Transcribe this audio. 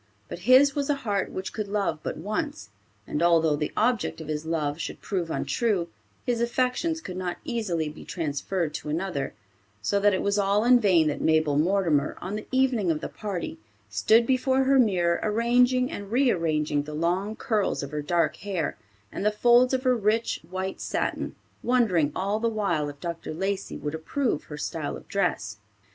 But his was a heart which could love but once, and although the object of his love should prove untrue, his affections could not easily be transferred to another; so that it was all in vain that Mabel Mortimer, on the evening of the party, stood before her mirror arranging and rearranging the long curls of her dark hair and the folds of her rich white satin, wondering all the while if Dr. Lacey would approve her style of dress.